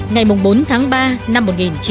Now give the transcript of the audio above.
ngày bốn tháng ba năm một nghìn chín trăm bảy mươi năm